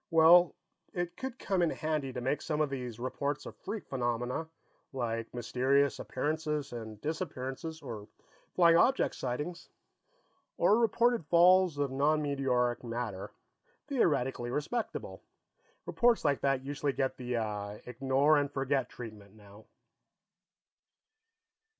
Well, it would come in handy to make some of these reports of freak phenomena, like mysterious appearances and disappearances, or flying object sightings, or reported falls of non meteoric matter, theoretically respectable. Reports like that usually get the ignore and forget treatment, now."